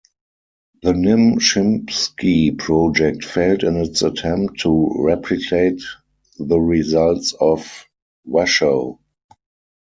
The Nim Chimpsky project failed in its attempt to replicate the results of Washoe.